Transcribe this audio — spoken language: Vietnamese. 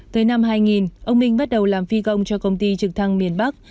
tới năm hai nghìn ông minh bắt đầu làm phi công cho công ty trực thăng miền bắc